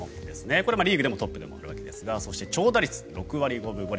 これはリーグでもトップなんですがそして長打率６割５分５厘。